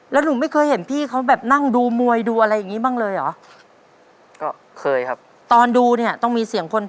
แล้วหนูไม่เคยเห็นพี่เขาแบบนั่งดูมวยดูอะไรอย่างงี้บ้างเลยเหรอ